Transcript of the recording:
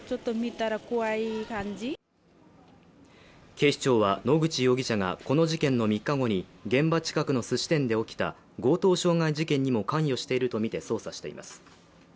警視庁は、野口容疑者がこの事件の３日後に、現場近くのすし店で起きた強盗傷害事件にも関与しているとみて、捜査しています。